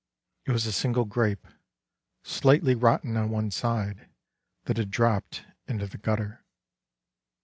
It was a single grape, slightly rotten on one side, that had dropped into the gutter.